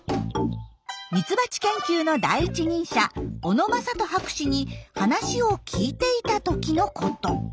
ミツバチ研究の第一人者小野正人博士に話を聞いていた時のこと。